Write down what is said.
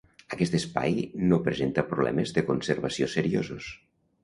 Aquest espai no presenta problemes de conservació seriosos.